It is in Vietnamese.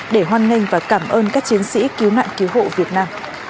hoan nghênh và cảm ơn các chiến sĩ cứu nạn cứu hộ việt nam